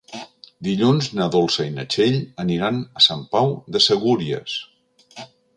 Dilluns na Dolça i na Txell aniran a Sant Pau de Segúries.